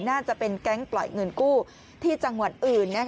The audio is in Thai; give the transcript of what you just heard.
น่าจะเป็นแก๊งปล่อยเงินกู้ที่จังหวัดอื่น